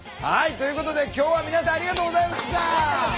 ということで今日は皆さんありがとうございました！